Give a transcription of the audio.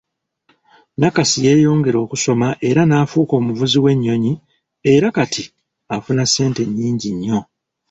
Nakasi yeyongera okusoma era naafuka omuvuzi w’ennyonnyi era kati afuna ssente nnyingi nnyo.